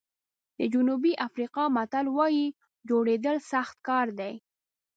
د جنوبي افریقا متل وایي جوړېدل سخت کار دی.